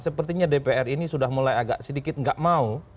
sepertinya dpr ini sudah mulai agak sedikit nggak mau